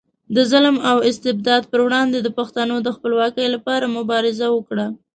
د ظلم او استبداد پر وړاندې د پښتنو د خپلواکۍ لپاره مبارزه وکړه.